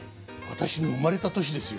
私の生まれた年ですよ。